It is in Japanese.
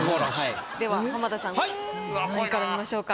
では浜田さん何位から見ましょうか？